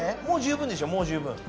もう十分でしょもう十分。